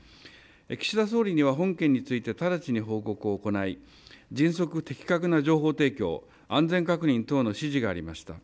岸田総理には本件について直ちに報告を行い、迅速的確な情報提供、安全確認等の指示がありました。